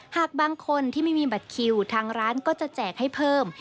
หากบางคนที่ไม่มีบัตรคิวทางร้านก็จะแจกให้เพิ่ม